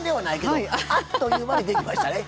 アハハハハ！あっという間にできましたね。